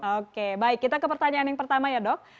oke baik kita ke pertanyaan yang pertama ya dok